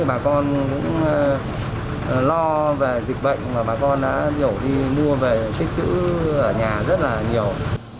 bà con cũng lo về dịch bệnh và bà con đã nhiều khi mua về cái chữ ở nhà rất là nhiều